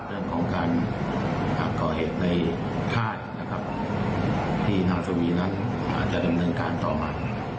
เรื่องของการก่อเหตุในค่ายนะครับที่นางสุวีนั้นอาจจะดำเนินการต่อไป